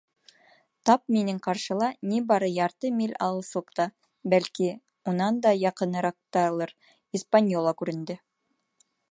Тап минең ҡаршыла, ни бары ярты миль алыҫлыҡта, бәлки, унан да яҡыныраҡталыр, «Испаньола» күренде.